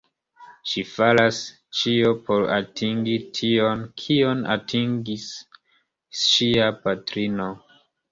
Ŝi faras ĉion por atingi tion, kion atingis ŝia patrino.